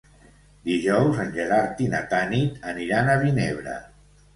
Dijous en Gerard i na Tanit aniran a Vinebre.